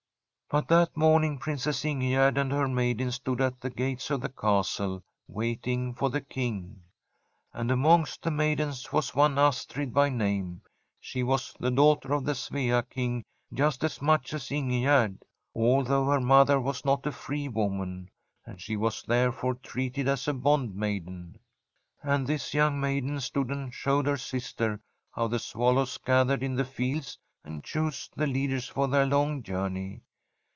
* But that morning Princess Ingegerd and her maidens stood at the gates of the castle waiting for the King. And amongst the maidens was [i88] ASTRID one, Astrid by name; she was the daughter of the Svea King just as much as Ingegerd, although her mother was not a free woman, and she was therefore treated as a bondmaiden. And this young maiden stood and showed her sister how the swallows gathered in the fields and chose the leaders for their long journey.